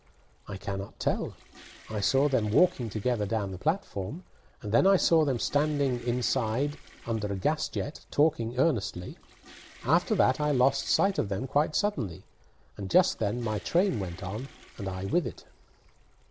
"I cannot tell. I saw them walking together down the platform, and then I saw them standing inside under a gas jet, talking earnestly. After that I lost sight of them quite suddenly, and just then my train went on, and I with it."